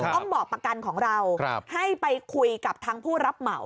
ต้องบอกประกันของเราให้ไปคุยกับทางผู้รับเหมา